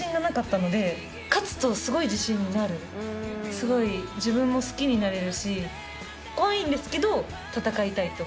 すごい自分も好きになれるし怖いんですけど戦いたいって思います。